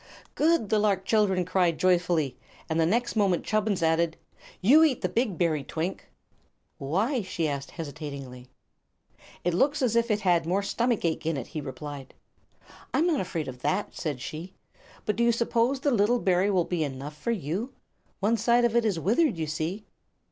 "Good!" the lark children cried, joyfully; and the next moment Chubbins added: "You eat the big berry, Twink." "Why?" she asked, hesitating. "It looks as if it had more stomach ache in it," he replied. "I'm not afraid of that," said she. "But do you suppose the little berry will be enough for you? One side of it is withered, you see."